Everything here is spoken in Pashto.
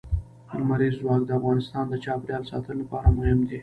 لمریز ځواک د افغانستان د چاپیریال ساتنې لپاره مهم دي.